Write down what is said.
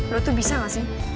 lu tuh bisa gak sih